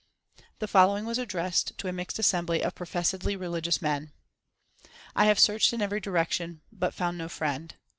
The following was addressed to a mixed assembly of professedly religious men : I have searched in every direction, but found no friend.